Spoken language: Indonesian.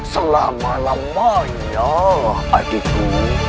selama lamanya adikku